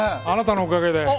あなたのおかげで。